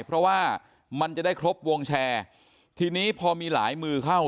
เพราะว่ามันจะได้ครบวงแชร์ทีนี้พอมีหลายมือเข้า